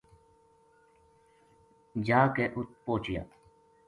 جا کے ات پوہچیا